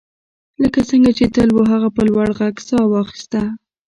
لکه څنګه چې تل وو هغه په لوړ غږ ساه واخیسته